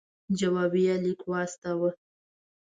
جوابیه لیک واستاوه.